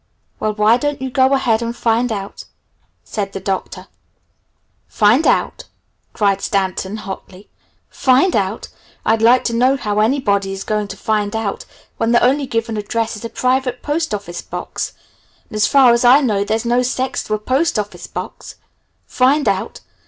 "Well, why don't you go ahead and find out?" quizzed the Doctor. "Find out?" cried Stanton hotly. "Find out? I'd like to know how anybody is going to find out, when the only given address is a private post office box, and as far as I know there's no sex to a post office box. Find out?